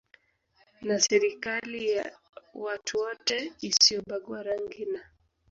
na serikali ya watu wote isiyobagua rangi na